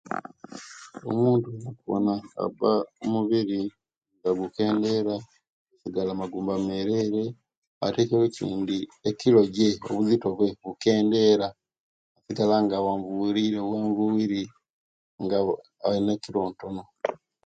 Omuntu owona nga aba omubiri nga gukendera asigala magumba mereere ate kayi echindi ekilo je obuzito bwe bukendera nasigala nga awanvuwirire buwanvuriri nga alina kilo ntono